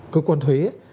cơ quan thuế